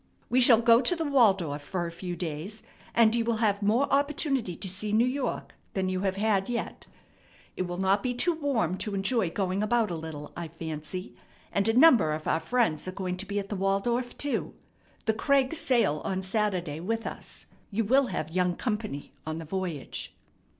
We shall go to the Waldorf for a few days, and you will have more opportunity to see New York than you have had yet. It will not be too warm to enjoy going about a little, I fancy; and a number of our friends are going to be at the Waldorf, too. The Craigs sail on Saturday with us. You will have young company on the voyage."